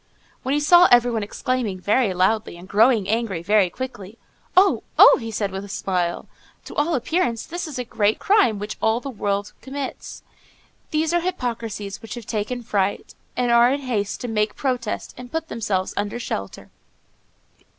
When he saw everyone exclaiming very loudly, and growing angry very quickly, "Oh! oh!" he said, with a smile; "to all appearance, this is a great crime which all the world commits. These are hypocrisies which have taken fright, and are in haste to make protest and to put themselves under shelter."